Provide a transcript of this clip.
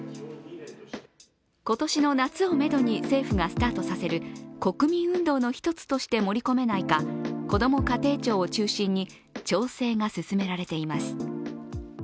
今年の夏をめどに政府がスタートさせる国民運動の一つとして盛り込めないかこども家庭庁を中心に調整が進められています。